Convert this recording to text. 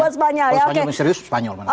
kalau spanyol misterius spanyol menang